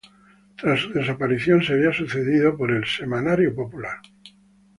Tras su desaparición sería sucedido por "El Semanario Popular".